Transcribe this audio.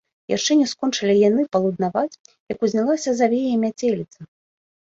Яшчэ не скончылі яны палуднаваць, як узнялася завея, мяцеліца.